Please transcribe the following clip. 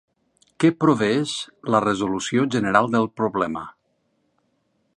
Què proveeix la resolució general del problema?